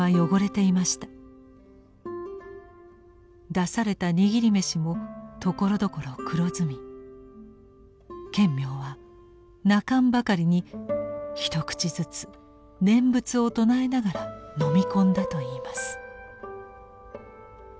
出された握り飯もところどころ黒ずみ顕明は泣かんばかりに一口ずつ念仏を称えながら飲み込んだといいます。